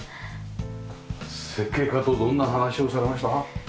設計家とどんな話をされましたか？